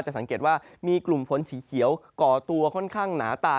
สังเกตว่ามีกลุ่มฝนสีเขียวก่อตัวค่อนข้างหนาตา